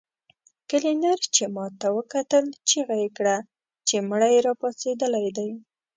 کلينر چې ماته وکتل چيغه يې کړه چې مړی راپاڅېدلی دی.